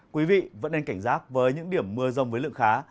quý vị vẫn nên cảnh giác với những điểm mưa rông với lượng khá